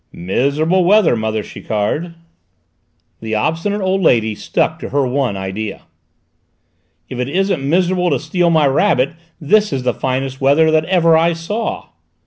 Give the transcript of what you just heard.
"Miserable weather, mother Chiquard!" The obstinate old lady stuck to her one idea. "If it isn't miserable to steal my rabbit, this is the finest weather that ever I saw!"